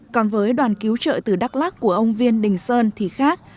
còn với đoàn cứu trợ từ đắk lắc của ông viên đình sơn thì khác